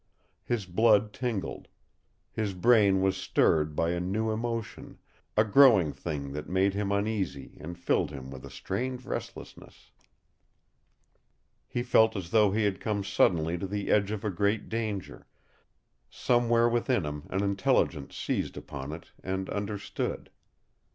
His blood tingled. His brain was stirred by a new emotion, a growing thing that made him uneasy and filled him with a strange restlessness. He felt as though he had come suddenly to the edge of a great danger; somewhere within him an intelligence seized upon it and understood.